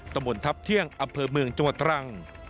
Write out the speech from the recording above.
ตำรวจทัพเที่ยงอำเภอเมืองจังหวัดตรัง